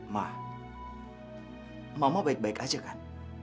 ma mama baik baik aja kan